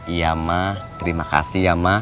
iya ma terima kasih ya ma